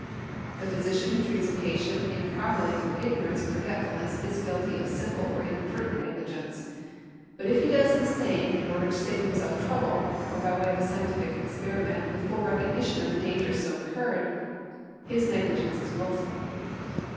The physician who treats a patient im properly through ignorance or forgetf\ilness is guilty of simple or inadvertent negligence ; but if he does the same in order to save himself trouble, or by way of a scientific experiment, with full recognition of the dangers so incurred, his negli gence is wilful.